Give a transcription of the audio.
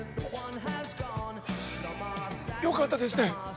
よかったですね